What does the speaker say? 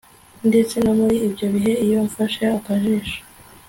Ndetse no muri ibyo bihe iyo mfashe akajisho